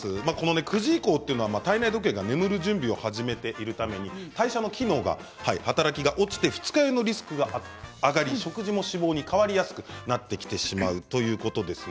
９時以降というのは体内時計が眠る準備を始めているため代謝の機能や働きが落ちて二日酔いのリスクが上がり食事も脂肪に変わりやすくなるということですね。